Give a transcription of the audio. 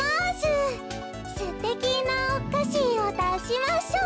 「すてきなおかしをだしましょう！」